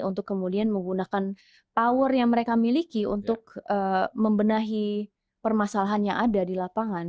untuk kemudian menggunakan kekuatan yang mereka miliki untuk membenahi permasalahan